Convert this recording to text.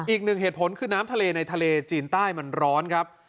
อีกหนึ่งเหตุผลคือน้ำทะเลในทะเลจีนใต้มันร้อนครับ